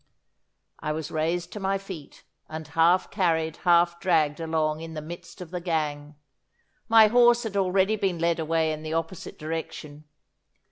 I was raised to my feet and half carried, half dragged along in the midst of the gang. My horse had already been led away in the opposite direction.